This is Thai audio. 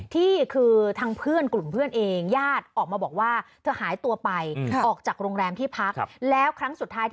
ที่คือทังเพื่อนกลุ่มเพื่อนเองญาติออกมาบอกว่า